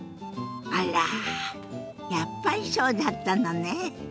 あらやっぱりそうだったのね。